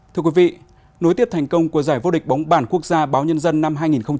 thưa quý vị nối tiếp thành công của giải vô địch bóng bàn quốc gia báo nhân dân năm hai nghìn hai mươi